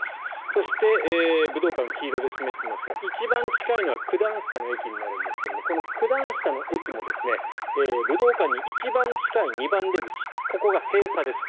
そして、武道館黄色で示していますが一番近いのは九段下の駅になるんですがこの九段下の駅も武道館に一番近い２番出口ここが閉鎖です。